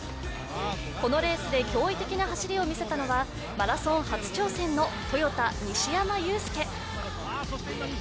このレースで驚異的な走りを見せたのは、マラソン初挑戦のトヨタ西山雄介。